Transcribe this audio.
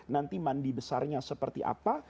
nanti mandi besarnya seperti apa